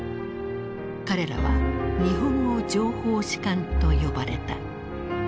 彼らは「日本語情報士官」と呼ばれた。